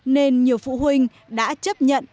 nên nhiều phụ huynh đã chấp nhận